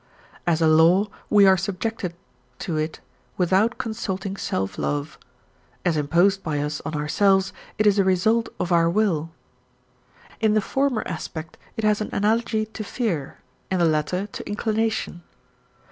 As a law, we are subjected too it without consulting self love; as imposed by us on ourselves, it is a result of our will. In the former aspect it has an analogy to fear, in the latter to inclination.